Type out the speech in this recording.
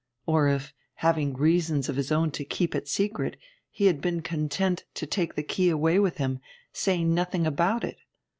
Or if, having reasons of his own to keep it secret, he had been content to take the key away with him, saying nothing about it!